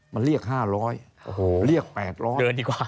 มันเรียก๕๐๐เรียก๘๐๐